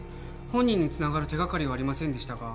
本人につながる手がかりはありませんでしたが